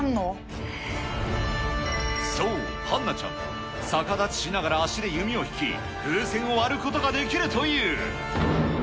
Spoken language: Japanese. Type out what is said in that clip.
そう、はんなちゃんは逆立ちしながら足で弓を引き、風船を割ることができるという。